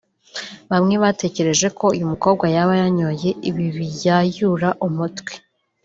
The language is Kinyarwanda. Bamwe batekereje ko uyu mukobwa yaba yanyoye ibi biyayura mutwe